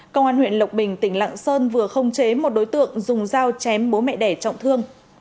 công an huyện lộc bình tỉnh lạng sơn vừa không chế một đối tượng dùng dao chém bố mẹ đẻ trọng thương